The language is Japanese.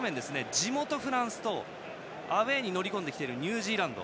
地元フランスとアウェーに乗り込んだニュージーランド。